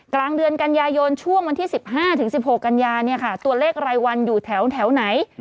กลางเดือนกันยายนช่วงวันที่๑๕๑๖กันยาเนี่ยค่ะตัวเลขรายวันอยู่แถวไหน